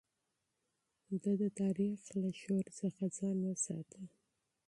ده د تاريخ له شور څخه ځان وساته.